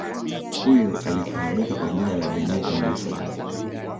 Huyu alifahamika kwa jina la Benito Musolini